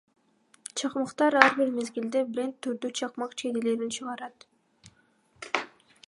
Чакмактар Ар бир мезгилде бренд түрдүү чакмак жейделерди чыгарат.